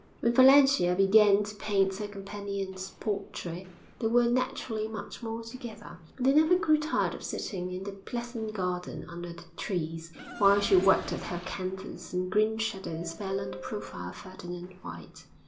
When Valentia began to paint her companion's portrait, they were naturally much more together. And they never grew tired of sitting in the pleasant garden under the trees, while she worked at her canvas and green shadows fell on the profile of Ferdinand White.